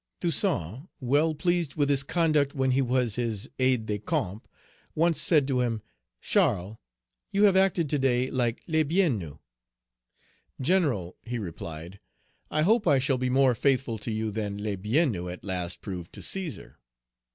Toussaint, well pleased with his conduct when he was his aide de camp, once said to him, "Charles, you have acted to day like Labienus." "General," he replied, "I hope I shall be more faithful to you than Labienus at last proved to Coesar."